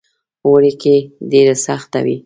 اوړي کې ډېره سخته وي.